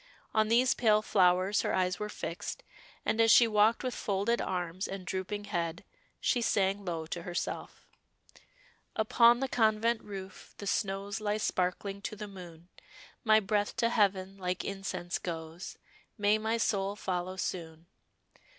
On these pale flowers her eyes were fixed, and as she walked with folded arms and drooping head, she sang low to herself 'Upon the convent roof, the snows Lie sparkling to the moon; My breath to heaven like incense goes, May my soul follow soon.